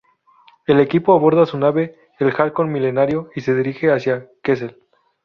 El equipo aborda su nave, el Halcón Milenario, y se dirige hacia Kessel.